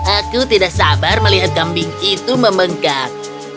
aku tidak sabar melihat kambing itu membengkak